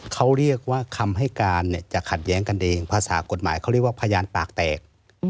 เขาเรียกว่าคำให้การเนี่ยจะขัดแย้งกันเองภาษากฎหมายเขาเรียกว่าพยานปากแตก